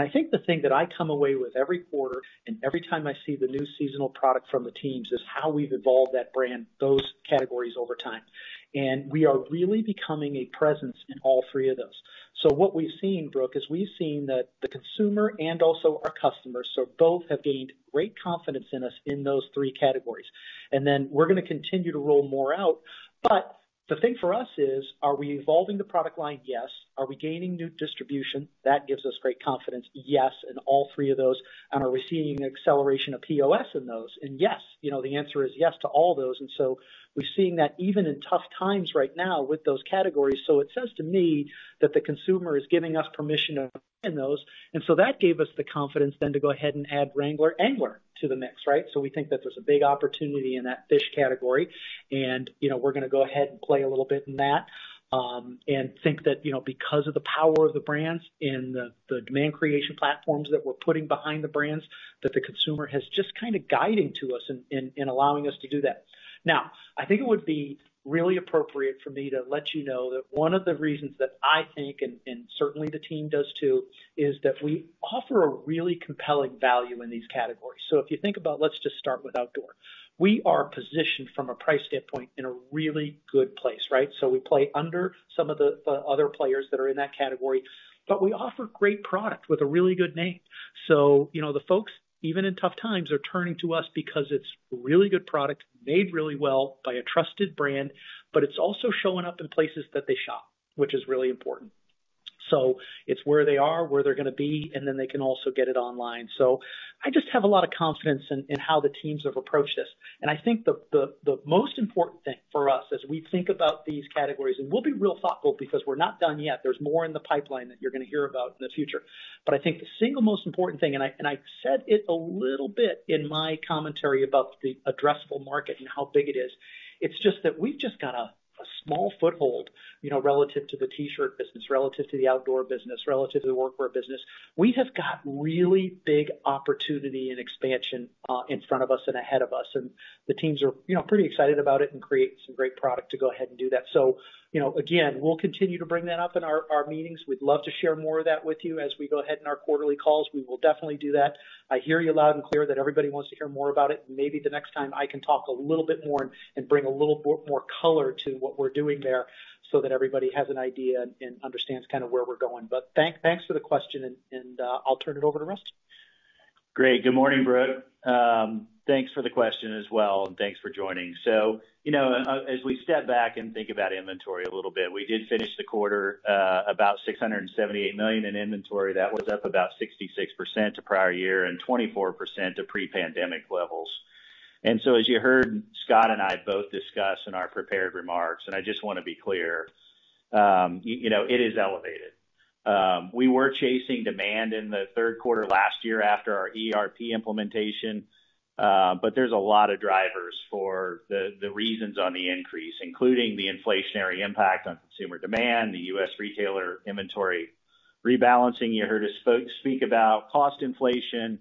I think the thing that I come away with every quarter and every time I see the new seasonal product from the teams is how we've evolved that brand, those categories over time. We are really becoming a presence in all three of those. What we've seen, Brooke, is we've seen that the consumer and also our customers, so both have gained great confidence in us in those three categories. We're gonna continue to roll more out. The thing for us is, are we evolving the product line? Yes. Are we gaining new distribution? That gives us great confidence. Yes, in all three of those. Are we seeing an acceleration of POS in those? Yes, you know, the answer is yes to all those. We're seeing that even in tough times right now with those categories. It says to me that the consumer is giving us permission to those. That gave us the confidence then to go ahead and add Wrangler Angler to the mix, right? We think that there's a big opportunity in that fishing category. You know, we're gonna go ahead and play a little bit in that, and think that, you know, because of the power of the brands and the demand creation platforms that we're putting behind the brands, that the consumer has just kinda guiding to us and allowing us to do that. Now, I think it would be really appropriate for me to let you know that one of the reasons that I think, and certainly the team does too, is that we offer a really compelling value in these categories. If you think about, let's just start with outdoor. We are positioned from a price standpoint in a really good place, right? We play under some of the other players that are in that category, but we offer great product with a really good name. You know, the folks, even in tough times, are turning to us because it's really good product made really well by a trusted brand, but it's also showing up in places that they shop, which is really important. It's where they are, where they're gonna be, and then they can also get it online. I just have a lot of confidence in how the teams have approached this. I think the most important thing for us as we think about these categories, and we'll be real thoughtful because we're not done yet. There's more in the pipeline that you're gonna hear about in the future. I think the single most important thing, and I said it a little bit in my commentary about the addressable market and how big it is. It's just that we've just got a small foothold, you know, relative to the T-shirt business, relative to the outdoor business, relative to the workwear business. We have got really big opportunity and expansion in front of us and ahead of us. The teams are, you know, pretty excited about it and creating some great product to go ahead and do that. you know, again, we'll continue to bring that up in our meetings. We'd love to share more of that with you as we go ahead in our quarterly calls. We will definitely do that. I hear you loud and clear that everybody wants to hear more about it, and maybe the next time I can talk a little bit more and bring more color to what we're doing there so that everybody has an idea and understands kinda where we're going. Thanks for the question, and I'll turn it over to Rustin. Great. Good morning, Brooke. Thanks for the question as well, and thanks for joining. You know, as we step back and think about inventory a little bit, we did finish the quarter about $678 million in inventory. That was up about 66% to prior year and 24% to pre-pandemic levels. As you heard Scott and I both discuss in our prepared remarks, and I just wanna be clear, you know, it is elevated. We were chasing demand in the third quarter last year after our ERP implementation, but there's a lot of drivers for the reasons on the increase, including the inflationary impact on consumer demand, the U.S. retailer inventory rebalancing. You heard us folks speak about cost inflation,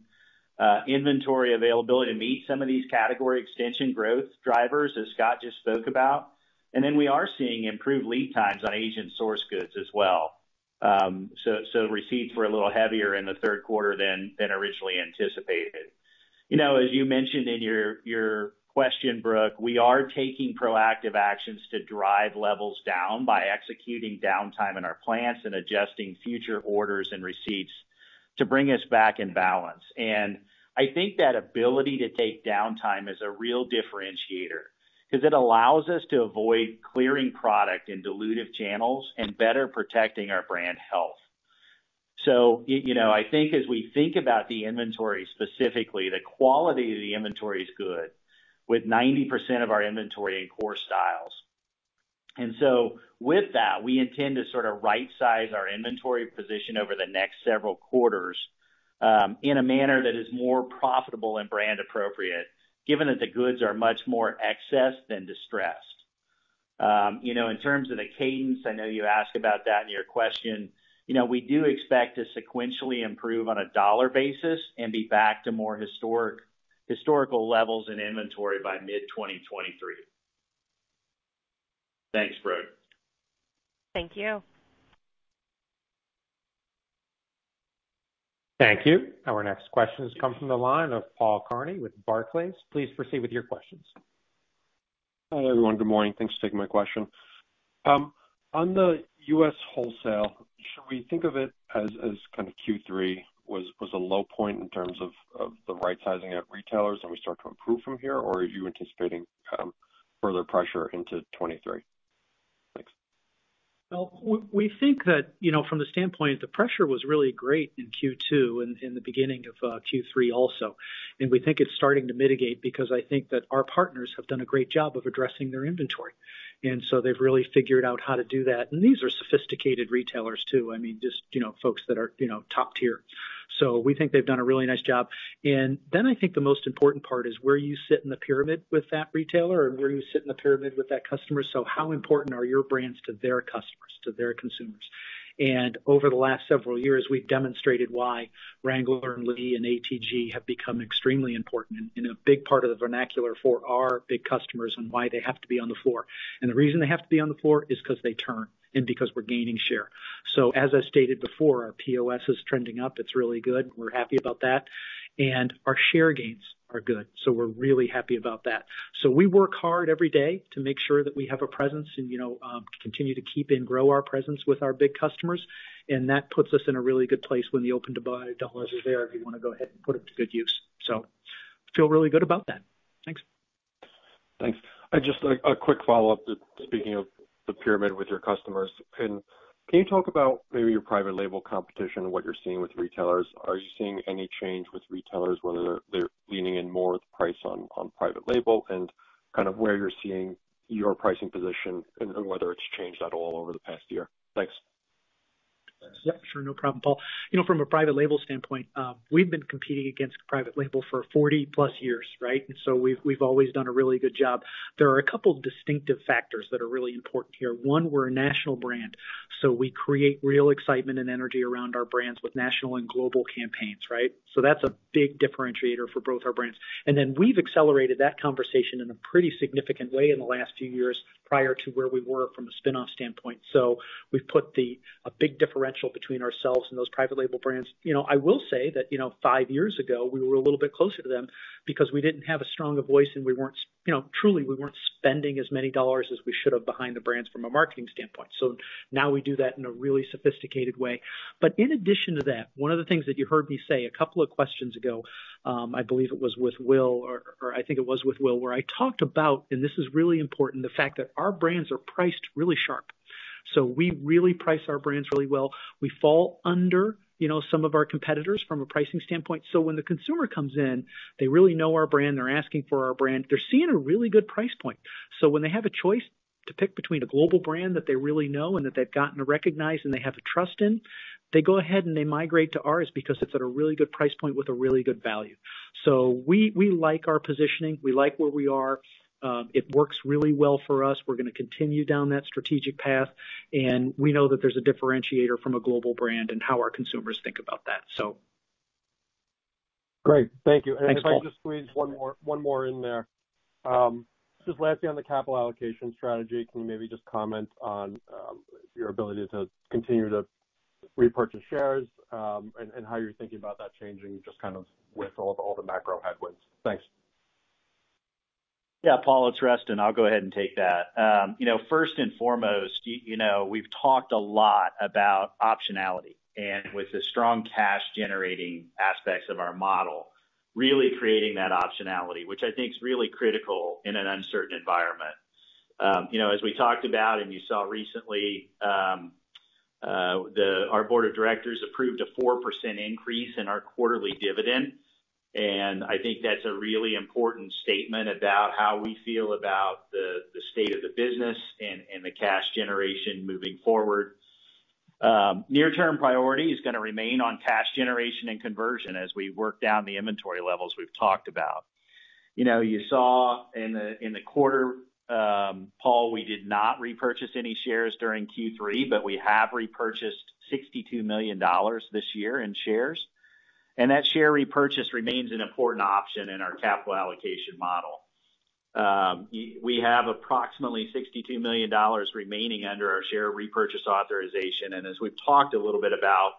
inventory availability to meet some of these category extension growth drivers that Scott just spoke about. We are seeing improved lead times on Asian sourced goods as well. Receipts were a little heavier in the third quarter than originally anticipated. As you mentioned in your question, Brooke, we are taking proactive actions to drive levels down by executing downtime in our plants and adjusting future orders and receipts to bring us back in balance. I think that ability to take downtime is a real differentiator 'cause it allows us to avoid clearing product in dilutive channels and better protecting our brand health. You know, I think as we think about the inventory, specifically, the quality of the inventory is good with 90% of our inventory in core styles. With that, we intend to sort of right size our inventory position over the next several quarters, in a manner that is more profitable and brand appropriate, given that the goods are much more excess than distressed. You know, in terms of the cadence, I know you asked about that in your question. You know, we do expect to sequentially improve on a dollar basis and be back to more historical levels in inventory by mid-2023. Thanks, Brooke. Thank you. Thank you. Our next question has come from the line of Paul Kearney with Barclays. Please proceed with your questions. Hi, everyone. Good morning. Thanks for taking my question. On the U.S. wholesale, should we think of it as kind of Q3 was a low point in terms of the right sizing of retailers, and we start to improve from here? Or are you anticipating further pressure into 2023? Thanks. Well, we think that, you know, from the standpoint, the pressure was really great in Q2 and the beginning of Q3 also. We think it's starting to mitigate because I think that our partners have done a great job of addressing their inventory. They've really figured out how to do that. These are sophisticated retailers too. I mean, just, you know, folks that are, you know, top tier. We think they've done a really nice job. Then I think the most important part is where you sit in the pyramid with that retailer and where you sit in the pyramid with that customer. How important are your brands to their customers, to their consumers? Over the last several years, we've demonstrated why Wrangler and Lee and ATG have become extremely important and a big part of the vernacular for our big customers and why they have to be on the floor. The reason they have to be on the floor is 'cause they turn and because we're gaining share. As I stated before, our POS is trending up. It's really good. We're happy about that. Our share gains are good. We're really happy about that. We work hard every day to make sure that we have a presence and, you know, continue to keep and grow our presence with our big customers. That puts us in a really good place when the open to buy dollars are there, if you wanna go ahead and put it to good use. Feel really good about that. Thanks. Thanks. A quick follow-up to speaking of the pyramid with your customers. Can you talk about maybe your private label competition and what you're seeing with retailers? Are you seeing any change with retailers, whether they're leaning in more with price on private label and kind of where you're seeing your pricing position and whether it's changed at all over the past year? Thanks. Yeah, sure. No problem, Paul. You know, from a private label standpoint, we've been competing against private label for 40+ years, right? We've always done a really good job. There are a couple distinctive factors that are really important here. One, we're a national brand, so we create real excitement and energy around our brands with national and global campaigns, right? That's a big differentiator for both our brands. We've accelerated that conversation in a pretty significant way in the last few years prior to where we were from a spinoff standpoint. We've put a big differential between ourselves and those private label brands. You know, I will say that, you know, 5 years ago, we were a little bit closer to them because we didn't have as strong a voice and we weren't, you know, truly, spending as many dollars as we should have behind the brands from a marketing standpoint. Now we do that in a really sophisticated way. But in addition to that, one of the things that you heard me say a couple of questions ago, I believe it was with Will, where I talked about, and this is really important, the fact that our brands are priced really sharp. We really price our brands really well. We fall under, you know, some of our competitors from a pricing standpoint. When the consumer comes in, they really know our brand, they're asking for our brand. They're seeing a really good price point. When they have a choice to pick between a global brand that they really know and that they've gotten to recognize and they have the trust in, they go ahead and they migrate to ours because it's at a really good price point with a really good value. We like our positioning. We like where we are. It works really well for us. We're gonna continue down that strategic path, and we know that there's a differentiator from a global brand and how our consumers think about that. Great. Thank you. Thanks, Paul. If I could just squeeze one more in there. Just lastly on the capital allocation strategy, can you maybe just comment on your ability to continue to repurchase shares, and how you're thinking about that changing just kind of with all the macro headwinds? Thanks. Yeah, Paul, it's Rustin. I'll go ahead and take that. You know, first and foremost, you know, we've talked a lot about optionality and with the strong cash generating aspects of our model, really creating that optionality, which I think is really critical in an uncertain environment. You know, as we talked about and you saw recently, our board of directors approved a 4% increase in our quarterly dividend. I think that's a really important statement about how we feel about the state of the business and the cash generation moving forward. Near-term priority is gonna remain on cash generation and conversion as we work down the inventory levels we've talked about. You know, you saw in the quarter, Paul, we did not repurchase any shares during Q3, but we have repurchased $62 million this year in shares. That share repurchase remains an important option in our capital allocation model. We have approximately $62 million remaining under our share repurchase authorization. As we've talked a little bit about,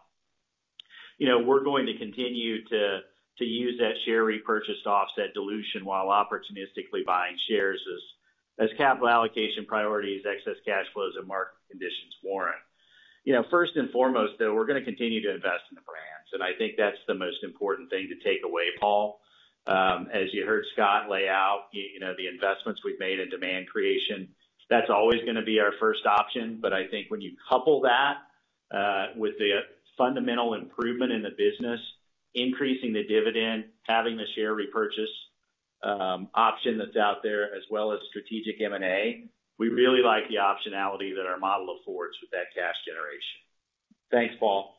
you know, we're going to continue to use that share repurchase to offset dilution while opportunistically buying shares as capital allocation priorities, excess cash flows and market conditions warrant. You know, first and foremost, though, we're gonna continue to invest in the brands, and I think that's the most important thing to take away, Paul. As you heard Scott lay out, you know, the investments we've made in demand creation, that's always gonna be our first option. I think when you couple that with the fundamental improvement in the business, increasing the dividend, having the share repurchase, option that's out there, as well as strategic M&A, we really like the optionality that our model affords with that cash generation. Thanks, Paul.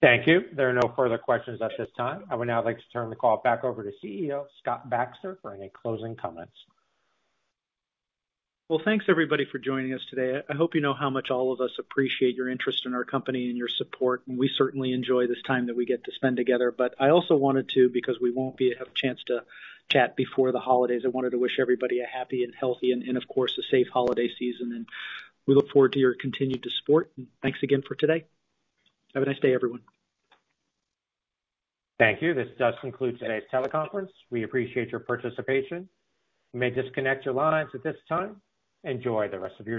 Thank you. There are no further questions at this time. I would now like to turn the call back over to CEO Scott Baxter for any closing comments. Well, thanks everybody for joining us today. I hope you know how much all of us appreciate your interest in our company and your support, and we certainly enjoy this time that we get to spend together. But I also wanted to, because we won't have a chance to chat before the holidays, I wanted to wish everybody a happy and healthy and of course, a safe holiday season, and we look forward to your continued support. Thanks again for today. Have a nice day, everyone. Thank you. This does conclude today's teleconference. We appreciate your participation. You may disconnect your lines at this time. Enjoy the rest of your day.